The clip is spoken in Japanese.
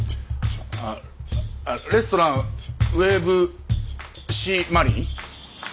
あレストランウエーブシーマリン？